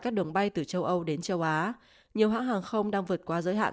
các đường bay từ châu âu đến châu á nhiều hãng hàng không đang vượt qua giới hạn